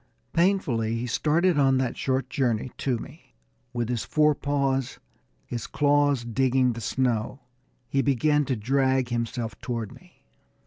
Painfully he started on that short journey to me. With his forepaws, his claws digging the snow, he began to drag himself toward me.